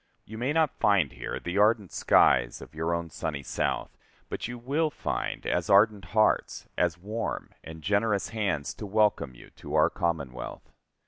You may not find here the ardent skies of your own sunny South, but you will find as ardent hearts, as warm and generous hands to welcome you to our Commonwealth.